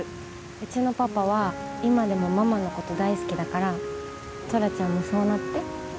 うちのパパは今でもママの事大好きだからトラちゃんもそうなって。